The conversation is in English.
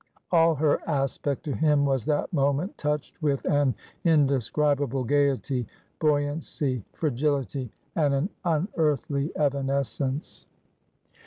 All her aspect to him, was that moment touched with an indescribable gayety, buoyancy, fragility, and an unearthly evanescence.